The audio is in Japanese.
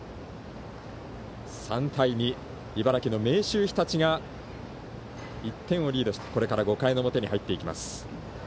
３対２、茨城の明秀日立が１点をリードしてこれから５回表に入っていきます。